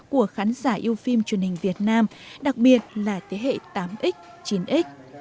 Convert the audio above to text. của khán giả yêu phim truyền hình việt nam đặc biệt là thế hệ tám x chín x